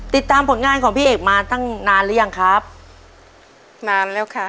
ติดตามผลงานของพี่เอกมาตั้งนานหรือยังครับนานแล้วค่ะ